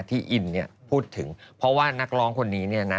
อินเนี่ยพูดถึงเพราะว่านักร้องคนนี้เนี่ยนะ